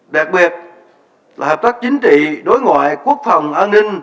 đặc biệt là hợp tác chính trị đối ngoại quốc phòng an ninh